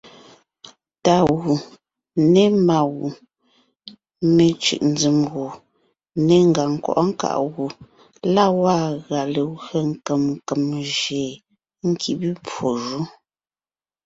Tá gù, ne má gu, me cʉ̀ʼ nzèm gù, ne ngàŋ nkwɔʼɔ́ nkáʼ gù la gwaa gʉa legwé nkèm nkèm jÿeen nkíbe pwó jú.